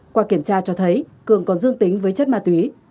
qua kiểm tra cho thấy cường còn dương tính với chất ma túy